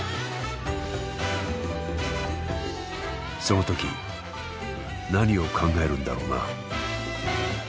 そのとき何を考えるんだろうな。